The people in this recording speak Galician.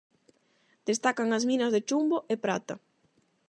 Destacan as minas de chumbo e prata.